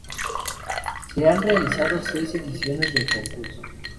Se han realizado seis ediciones del concurso.